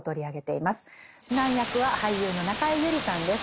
指南役は俳優の中江有里さんです。